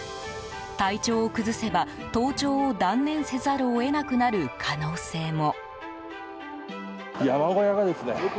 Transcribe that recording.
体調を崩せば登頂を断念せざるを得なくなる可能性も。